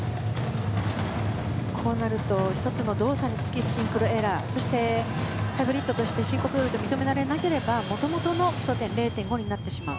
こうなると１つの動作につきシンクロエラーハイブリッドとして申告どおり認めてなければもともとの点数になってしまう。